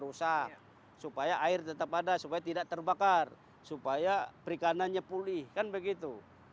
rusak supaya air tetap ada supaya tidak terbakar supaya perikanannya pulih kan begitu